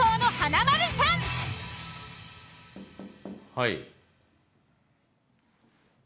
はい。